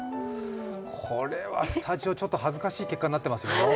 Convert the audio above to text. これはスタジオ、恥ずかしい結果になってます。